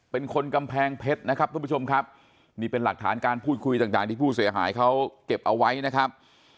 เป็นคนกำแพงเพชรนะครับทุกผู้ชมครับนี่เป็นหลักฐานการพูดคุยต่างที่ผู้เสียหายเขาเก็บเอาไว้นะครับ